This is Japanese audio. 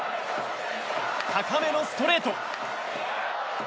高めのストレート。